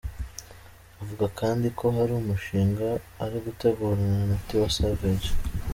Avuga kandi ko hari umushinga ari gutegurana na Tiwa Savage.